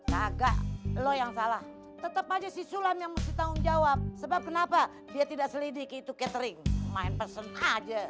naga lo yang salah tetap aja si sulam yang mesti tanggung jawab sebab kenapa dia tidak selidiki itu catering main person aja